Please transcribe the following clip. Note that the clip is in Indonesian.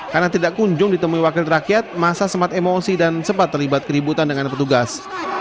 karena tidak kunjung ditemui wakil rakyat masa semat emosi dan sempat terlibat keributan dengan petugas